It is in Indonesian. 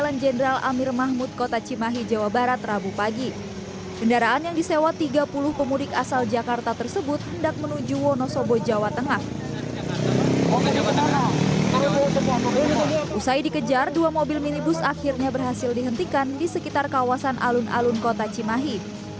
alun alun kota cimahi